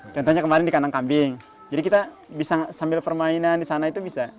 contohnya kemarin di kandang kambing jadi kita bisa sambil permainan di sana itu bisa